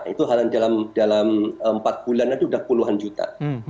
itu dalam empat bulan itu sudah puluhan juta